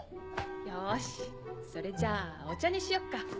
よしそれじゃあお茶にしよっか。